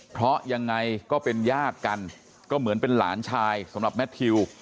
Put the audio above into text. เพราะยังไงก็เป็นญาติกันก็เหมือนเป็นหลานชายสำหรับแมททิว